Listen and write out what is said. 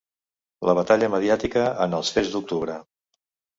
La batalla mediàtica en els ‘fets d’octubre’.